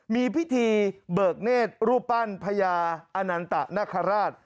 มีพิธีเบิกเนธรูปปั้นพญาอนันตะนคราช